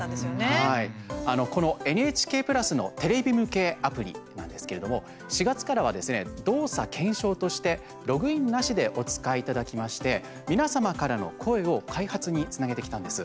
はい、このＮＨＫプラスのテレビ向けアプリなんですけれど４月からはですね動作検証としてログインなしでお使いいただきまして皆様からの声を開発につなげてきたんです。